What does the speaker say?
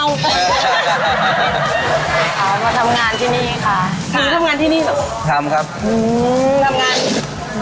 เอามาทำงานที่นี่ค่ะหนูทำงานที่นี่เหรอทำครับอืมทำงาน